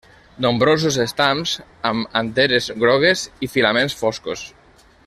Nombrosos estams, amb anteres grogues i filaments foscos.